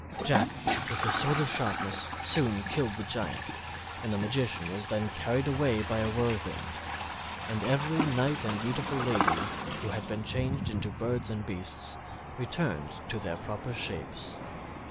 Jack, with his sword of sharpness, soon killed the Giant, and the magician was then carried away by a whirlwind; and every knight and beautiful lady who had been changed into birds and beasts returned to their proper shapes.